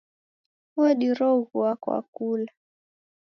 Odiroghua kwa kula